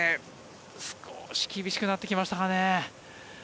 少し厳しくなってきましたかね。